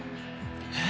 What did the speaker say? えっ！？